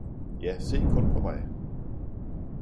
ja, see kun paa mig!